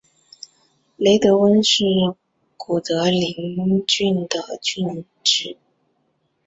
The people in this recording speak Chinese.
雷德温是古德休郡的郡治。